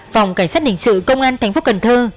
phòng cảnh sát hình sự công an thành phố cần thơ